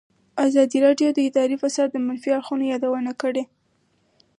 ازادي راډیو د اداري فساد د منفي اړخونو یادونه کړې.